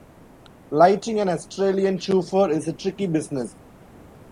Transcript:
Lighting an Australian "choofer" is a tricky business.